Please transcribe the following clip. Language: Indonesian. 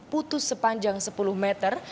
putus sepanjang sepuluh meter